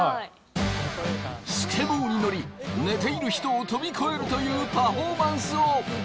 スケボーに乗り寝ている人を跳び越えるというパフォーマンスを。